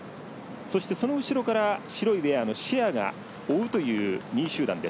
そして、その後ろから白いウェアのシェアが追うという２位集団。